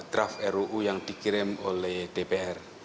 draft ruu yang dikirim oleh dpr